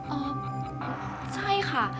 เออใช่ค่ะ